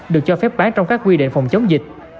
được cho phép bán trong các quy định phòng chống dịch